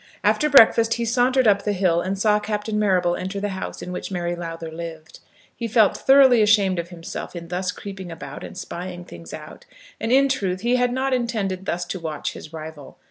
After breakfast he sauntered up the hill and saw Captain Marrable enter the house in which Mary Lowther lived. He felt thoroughly ashamed of himself in thus creeping about, and spying things out, and, in truth, he had not intended thus to watch his rival.